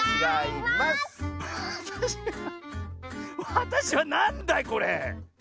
わたしはなんだいこれ？